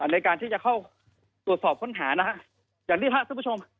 ในการที่จะเข้าตรวจสอบค้นห้านะฮะบินไทยเพื่อนชม